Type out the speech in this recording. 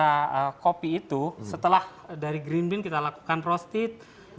ada kopi itu setelah dari green bean kita lakukan roaste